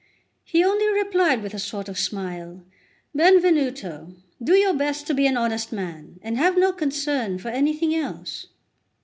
He only replied with a sort of smile: "Benvenuto, do your best to be an honest man, and have no concern for anything else."